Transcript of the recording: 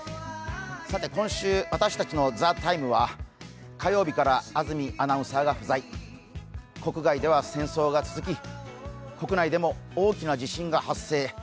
さて今週、私たちの「ＴＨＥＴＩＭＥ，」は火曜日から安住アナウンサーが不在、国外では戦争が続き、国内でも大きな地震が発生。